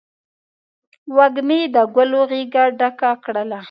وږمې د ګلو غیږه ډکه کړله